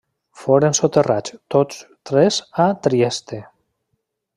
Foren soterrats tots tres a Trieste.